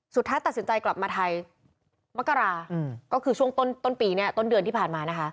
สุดท้ายตัดสินใจกลับมาไทยมกราช่วงต้นปีต้นเดือนที่ผ่านมา